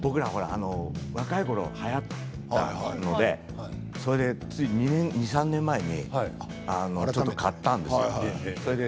若いころはやったのでつい２、３年前ねちょっと買ったんですよ。